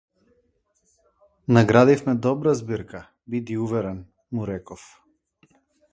Наградивме добра збирка, биди уверен, му реков.